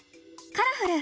「カラフル！